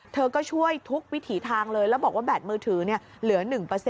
เธอก็ช่วยทุกวิถีทางเลยแล้วบอกว่าแบตมือถือเหลือ๑